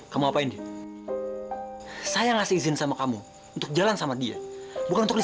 kamu tahu gak seumur hidup aku